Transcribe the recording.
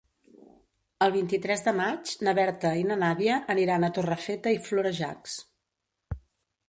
El vint-i-tres de maig na Berta i na Nàdia aniran a Torrefeta i Florejacs.